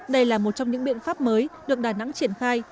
đây là một trong những biện pháp mới được đà nẵng triển khai